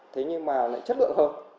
thế nhưng mà lại chất lượng hơn